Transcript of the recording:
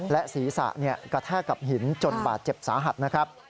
และศีรษะกระแทกกับหินจนบาดเจ็บสาหัสนะครับ